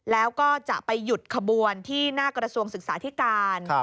แล้วก็จะไปหยุดขบวนที่หน้ากระทรวงศึกษาธิการ